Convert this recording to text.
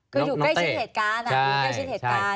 ก็อยู่ใกล้ชิ้นเหตุการณ์ค่ะ